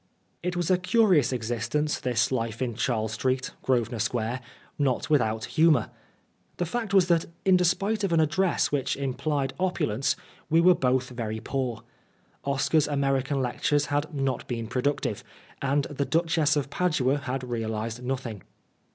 It was a curious existence, this life in Charles Street, Grosvenor Square, not with out humour. The fact was that, in despite of an address which implied opulence, we were both very poor. Oscar's American lectures had not been productive, and the Duchess of Padua had realised nothing.